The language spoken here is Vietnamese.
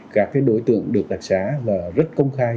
các đối tượng được đặc xá và rất công khai